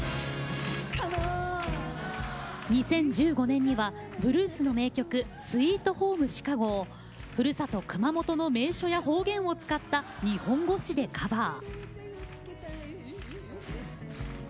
２０１５年にはブルースの名曲「ＳｗｅｅｔＨｏｍｅＣｈｉｃａｇｏ」をふるさと・熊本の名所や方言を使った日本語詞でカバー。